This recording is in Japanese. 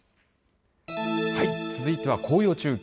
続いては紅葉中継。